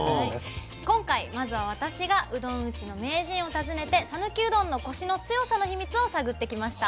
今回まずは私がうどん打ちの名人を訪ねて讃岐うどんのコシの強さのヒミツを探ってきました。